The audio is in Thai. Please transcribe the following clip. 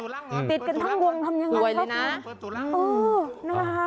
เรามีอย่างมากเข้าไปจับด้วยนะ